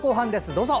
どうぞ。